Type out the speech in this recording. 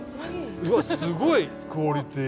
うわすごいクオリティー。